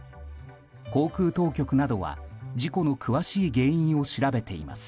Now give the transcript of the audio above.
航空当局などは、事故の詳しい原因を調べています。